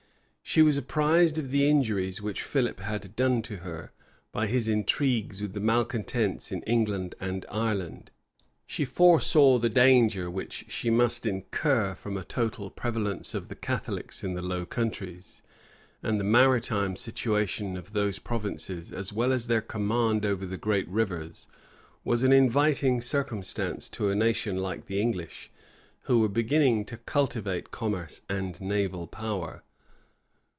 She was apprised of the injuries which Philip had done her, by his intrigues with the malecontents in England and Ireland:[*] she foresaw the danger which she must incur from a total prevalence of the Catholics in the Low Countries: and the maritime situation of those provinces, as well as their command over the great rivers, was an inviting circumstance to a nation like the English, who were beginning to cultivate commerce and naval power.